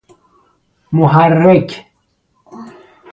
محرک